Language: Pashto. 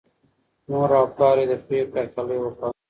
مور او پلار یې د پرېکړې هرکلی وکړ.